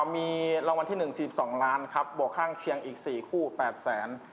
มีรางวัลที่๑๔๒ล้านครับบวกข้างเคียงอีก๔คู่๘แสน